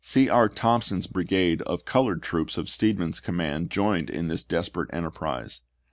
C. B. Thompson's brigade of colored troops of Steedman's command joined in this desperate enterprise.